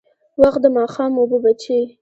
وخت د ماښام اوبه بجې.